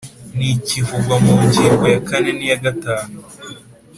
Ni ikivugwa mu ngingo ya kane n’iya gatanu